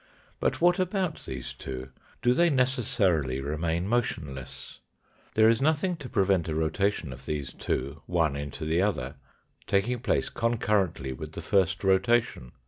But what about these two ? Do they necessarily remain motionless ? There is nothing to prevent a rotation of these two, one into the other, taking place concurrently with the first rotation.